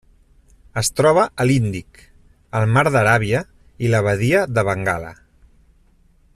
Es troba a l'Índic: el mar d'Aràbia i la badia de Bengala.